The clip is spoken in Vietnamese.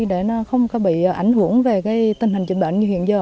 để nó không bị ảnh hưởng về tình hình trị bệnh như hiện giờ